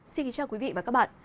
xin kính chào quý vị và các bạn